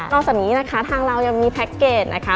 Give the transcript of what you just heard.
จากนี้นะคะทางเรายังมีแพ็คเกจนะคะ